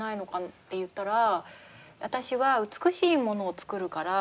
って言ったら「私は美しいものを作るから」